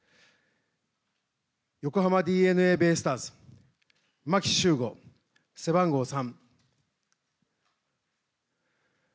横浜ＤｅＮＡベイスターズ牧秀悟、背番号３。